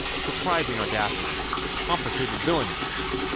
Surprising audacity! Complicated villainy!"